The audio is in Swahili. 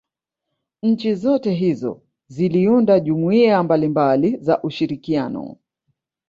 Nchi zote hizo ziliunda jumuiya mbalimabali za ushirikiano